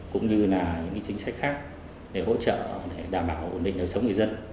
cũng như những chính sách khác để hỗ trợ đảm bảo nền sống người dân